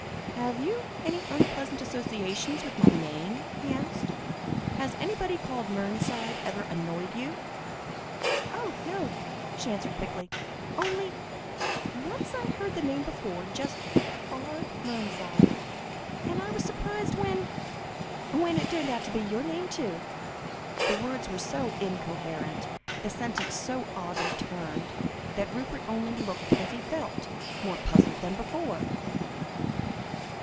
"Have you any unpleasant associations with my name?" he asked. "Has anybody called Mernside ever annoyed you?" "Oh, no!" she answered quickly. "Only once I heard the name before just R. Mernside and I was surprised when when it turned out to be your name too." The words were so incoherent, the sentence so oddly turned, that Rupert only looked as he felt, more puzzled than before.